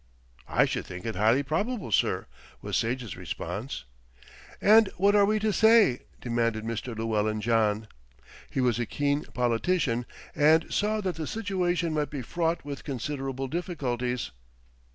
"I should think it highly probable, sir," was Sage's response. "And what are we to say?" demanded Mr. Llewellyn John. He was a keen politician, and saw that the situation might be fraught with considerable difficulties.